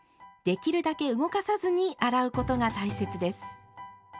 できるだけ動かさずに洗うことが大切です。